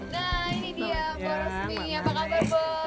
nah ini dia mbok rosmi apa kabar mbok